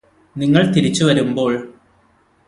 നിങ്ങള് തിരിച്ചുവരുമ്പോള്